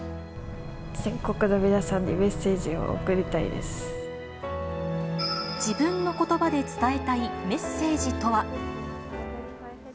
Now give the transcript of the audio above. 全国の皆さんに、メッセージ自分のことばで伝えたいメッセージとは。